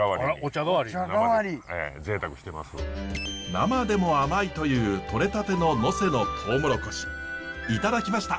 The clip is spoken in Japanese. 生でも甘いというとれたての能勢のトウモロコシいただきました！